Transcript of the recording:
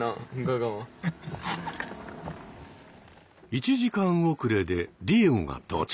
１時間遅れでディエゴが到着。